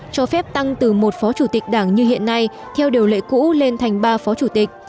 cho phép tăng từ một phó chủ tịch đảng như hiện nay theo điều lệ cũ lên thành ba phó chủ tịch